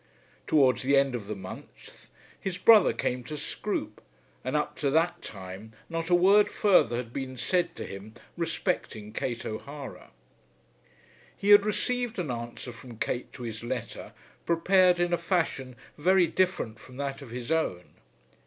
Towards the end of the month his brother came to Scroope, and up to that time not a word further had been said to him respecting Kate O'Hara. He had received an answer from Kate to his letter, prepared in a fashion very different from that of his own.